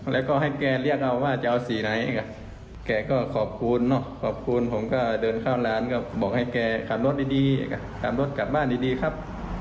แล้วก็ให้แกเรียกเอาว่าจะเอาสีไหนแกก็ขอบคุณเนาะขอบคุณผมก็เดินเข้าร้านก็บอกให้แกขับรถดีขับรถกลับบ้านดีครับ